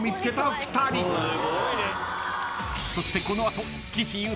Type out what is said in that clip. ［そしてこの後］